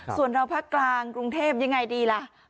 ส่วนเราภาคกลางกรุงเทพยังไงดีล่ะ